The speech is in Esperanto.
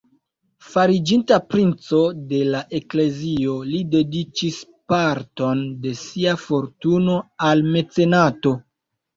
Fariĝinta princo de la Eklezio, li dediĉis parton de sia fortuno al mecenato.